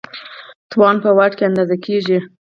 توان په واټ کې اندازه کېږي.